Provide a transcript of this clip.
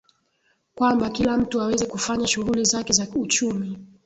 kwamba kila mtu aweze kufanya shughuli zake za uchumi